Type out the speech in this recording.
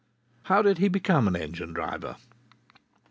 How did he become an engine driver?